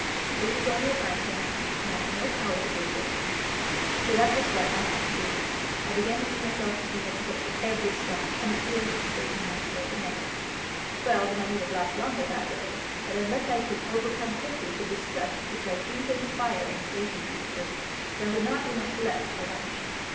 This is only a branch line, and I have no power to give you a pass." So that was what I had to do. I began to see myself taking a ticket at every stop and appealing to the station master at the next. Well, the money would last longer that way, but unless I could overcome quickly the distrust which I seemed to inspire in station masters there would not be much left for lunch.